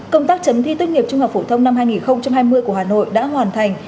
công tác chấm thi tốt nghiệp trung học phổ thông năm hai nghìn hai mươi của hà nội đã hoàn thành